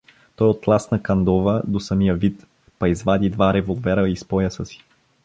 Той оттласна Кандова до самия вид, па извади два револвера из пояса си.